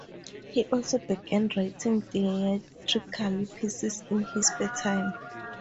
He also began writing theatrical pieces in his spare time.